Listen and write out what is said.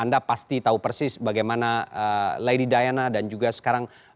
anda pasti tahu persis bagaimana lady diana dan juga sekarang